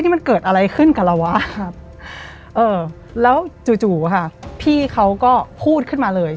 มันเกิดอะไรขึ้นกับเราวะครับเออแล้วจู่จู่ค่ะพี่เขาก็พูดขึ้นมาเลย